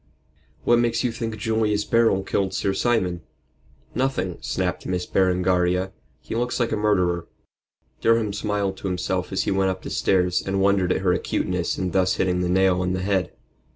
"What makes you think Julius Beryl killed Sir Simon?" "Nothing," snapped Miss Berengaria; "he looks like a murderer." Durham smiled to himself as he went up the stairs and wondered at her acuteness in thus hitting the nail on the head.